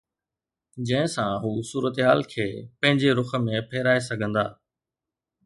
جنهن سان هو صورتحال کي پنهنجي رخ ۾ ڦيرائي سگهندا.